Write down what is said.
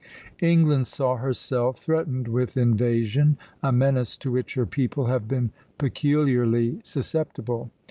England saw herself threatened with invasion, a menace to which her people have been peculiarly susceptible.